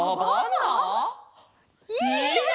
いいね！